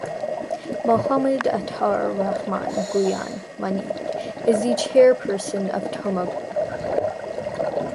Mohammad Ataur Rahman Bhuiyan (Manik) is the chairperson of Toma Group.